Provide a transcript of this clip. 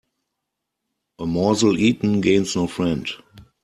A morsel eaten gains no friend.